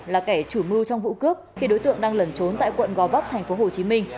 là kẻ chủ mưu trong vụ cướp khi đối tượng đang lẩn trốn tại quận gò bắc tp hcm